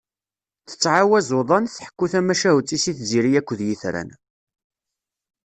Tettɛawaz uḍan tḥekku tamacahut-is i tziri akked yitran.